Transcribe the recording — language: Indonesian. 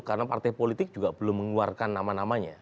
karena partai politik juga belum mengeluarkan nama namanya